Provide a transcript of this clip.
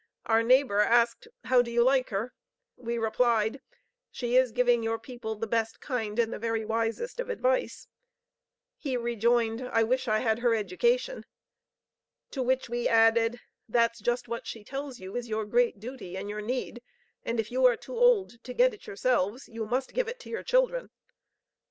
Our neighbor asked, "How do you like her?" We replied, "She is giving your people the best kind and the very wisest of advice." He rejoined, "I wish I had her education." To which we added, "That's just what she tells you is your great duty and your need, and if you are too old to get it yourselves, you must give it to your children."